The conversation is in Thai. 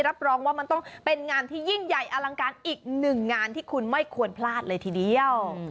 รับรองว่ามันต้องเป็นงานที่ยิ่งใหญ่อลังการอีกหนึ่งงานที่คุณไม่ควรพลาดเลยทีเดียว